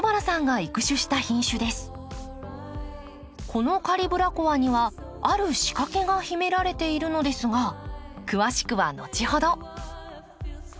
このカリブラコアにはある仕掛けが秘められているのですが詳しくは後ほど。